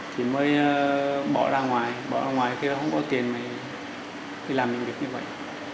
chị mới bỏ ra ngoài bỏ ra ngoài khi không có tiền mà đi làm những việc như vậy